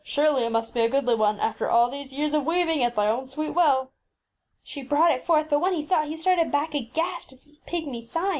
Surely, it must be a goodly one after all these years of weaving at thy own sweet will. ŌĆÖ She brought it forth, but when he saw it he started back aghast at its pigmy size.